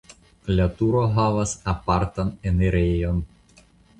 La turo havas apartan enirejon.